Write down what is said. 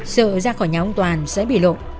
sợ ra khỏi nhà ông toàn sẽ bị lộ